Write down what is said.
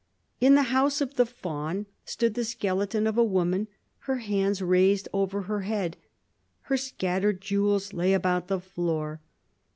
In the house of the Faun stood the skeleton of a woman; her hands raised over her head. Her scattered jewels lay about the floor.